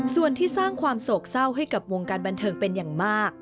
ส่วนที่สร้างความโศกเศร้าให้กับวงการบันเทิงเป็นอย่างมาก